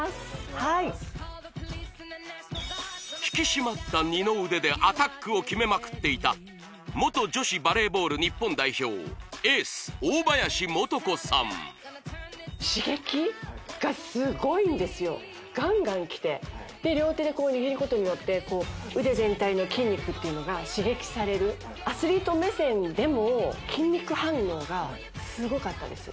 はい引き締まった二の腕でアタックを決めまくっていた元女子バレーボール日本代表エース大林素子さんガンガンきて両手で握ることによって腕全体の筋肉っていうのが刺激されるアスリート目線でも筋肉反応がすごかったです